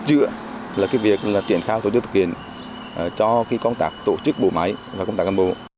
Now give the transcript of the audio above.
nhất chữa là cái việc là triển khai tổ chức thực hiện cho cái công tác tổ chức bộ máy và công tác cán bộ